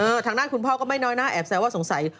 ทางด้านคุณพ่อก็ไม่น้อยหน้าแอบแซวว่าสงสัย